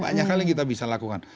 banyak kali kita bisa lakukan